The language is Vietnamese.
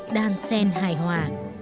đang sen hài hòa